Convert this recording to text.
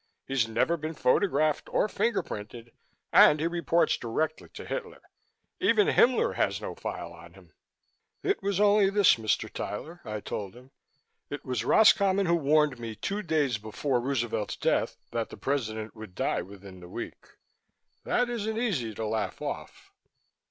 He's never been photographed or fingerprinted and he reports directly to Hitler. Even Himmler has no file on him." "It was only this, Mr. Tyler," I told him. "It was Roscommon who warned me two days before Roosevelt's death that the President would die within the week. That isn't easy to laugh off."